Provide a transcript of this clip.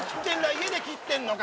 家で切ってんのか？